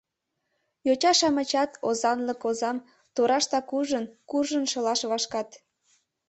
Йоча-шамычат, озанлык озам тораштак ужын, куржын шылаш вашкат.